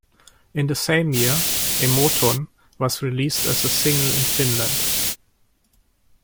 In the same year, "Emoton" was released as a single in Finland.